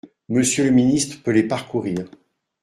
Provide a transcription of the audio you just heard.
Monsieur le ministre peut les parcourir.